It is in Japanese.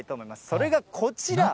それがこちら。